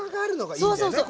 そうそうそう。